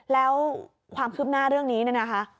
แล้วความคืบหน้าเรื่องนี้เนี่ยนะคะ